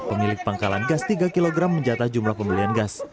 pemilik pangkalan gas tiga kg menjata jumlah pembelian gas